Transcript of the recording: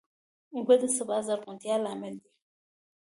اوبه د سبا د زرغونتیا لامل دي.